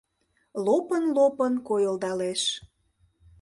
Лопын-лопын койылдалеш, -